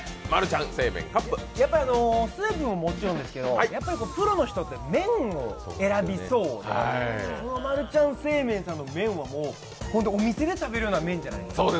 スープももちろんですけど、プロの人って麺を選びそうで、マルちゃん正麺さんの麺はお店で食べるような麺じゃないですか。